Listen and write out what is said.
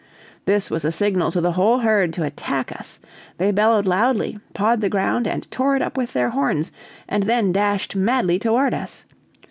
This was a signal to the whole herd to attack us. They bellowed loudly, pawed the ground, and tore it up with their horns, and then dashed madly toward us.